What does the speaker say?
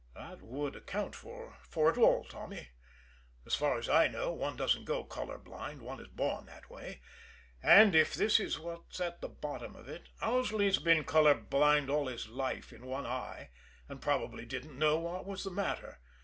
"That would account for it all, Tommy. As far as I know, one doesn't go color blind one is born that way and if this is what's at the bottom of it, Owsley's been color blind all his life in one eye, and probably didn't know what was the matter.